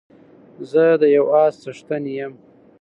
زه د يو اس څښتن يم